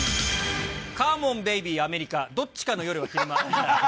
カーモンベイビーアメリカ、どっちかの夜は昼間。